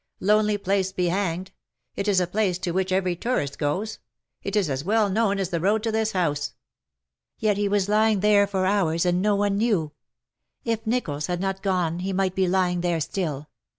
Lonely place^ be hanged. It is a place to which every tourist goes — it is as well known as the road to this house.^^ " Yet he was lying there for hours and no one knew. If Nicholls had not gone he might be lying there still.